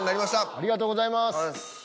ありがとうございます。